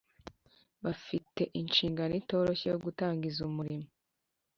Bafite inshingano itoroshye yo gutangiza umurimo